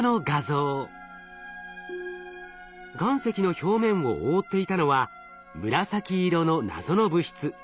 岩石の表面を覆っていたのは紫色の謎の物質。